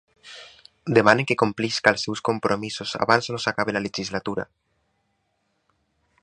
Demanem que complesca els seus compromisos abans no s’acabe la legislatura.